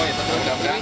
oh ya tentu sudah mulai